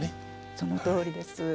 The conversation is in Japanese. そのとおりです。